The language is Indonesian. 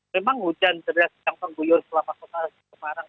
memang hujan terlihat yang pengguyur selama kota semarang